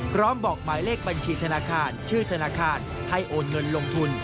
บอกหมายเลขบัญชีธนาคารชื่อธนาคารให้โอนเงินลงทุน